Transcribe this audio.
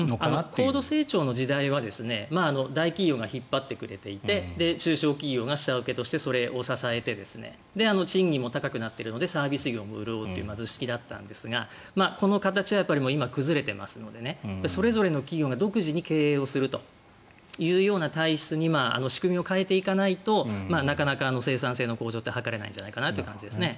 高度成長の時代は大企業が引っ張ってくれていて中小企業が下請けとしてそれを支えて賃金も高くなっているのでサービス業も潤うという図式だったんですがこの形は今崩れていますのでそれぞれの企業が独自に経営をするというような体質に仕組みを変えていかないとなかなか生産性の向上って図れないんじゃないかという感じですね。